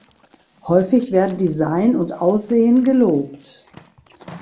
Häufig werden Design und Aussehen gelobt.